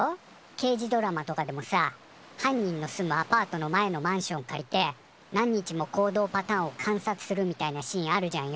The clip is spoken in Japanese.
けいじドラマとかでもさ犯人の住むアパートの前のマンション借りて何日も行動パターンを観察するみたいなシーンあるじゃんよ。